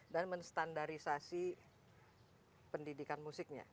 dan menstandarisasi pendidikan musiknya